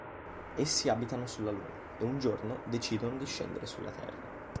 Essi abitano sulla Luna e un giorno decidono di scendere sulla Terra.